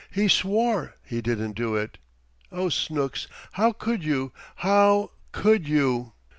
He swore he didn't do it! Oh, Snooks, how could you how could you!"